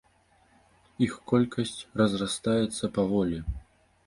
Іх колкасць разрастаецца паволі.